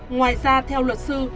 ngoài ra theo luật sư